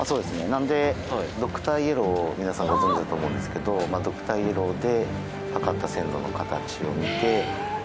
なのでドクターイエローを皆さんご存じだと思うんですけどドクターイエローで。